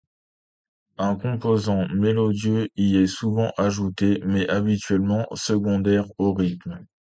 Un composant mélodieux y est souvent ajouté, mais habituellement secondaire au rythme.